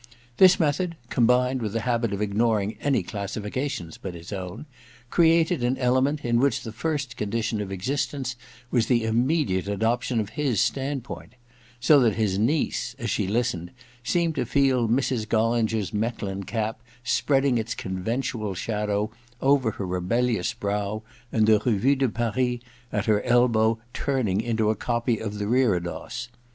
This method, combined with the habit of ignoring any classifications but his own, created an element in which the first condition of existence was the immediate adoption of his standpoint ; so that his niece, as she listened, seemed to feel Mrs. Gollinger 's Mechlin cap spreading its conventual shadow over her rebel lious brow and the Revue de Paris at her elbow turning into a copy of the Reredos.